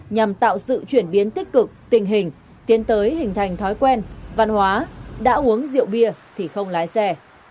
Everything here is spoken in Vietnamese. nhằm tạo sự chuyển biến tích cực tình hình tiến tới hình thành thói quen văn hóa đã uống rượu bia thì không lái xe